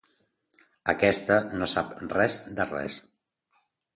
Aquesta no sap res de res.